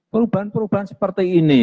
perubahan perubahan seperti ini